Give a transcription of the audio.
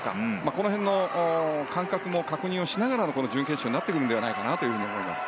この辺の感覚も確認しながら準決勝になってくるのではないかと思います。